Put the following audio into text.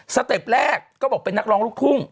เต็ปแรกก็บอกเป็นนักร้องลูกทุ่ง